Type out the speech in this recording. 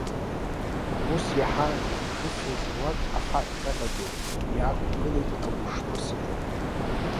Ус, иаҳа ижыцәыз руак, ахаҳә ҟьаҟьа ду иаақәгылт агәышԥы сыҭаны.